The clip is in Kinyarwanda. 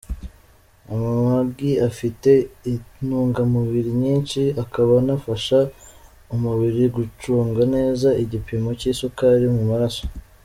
Amagi afite intungamubiri nyinshi, akaba anafasha umubiri gucunga neza igipimo cy’isukari mu maraso.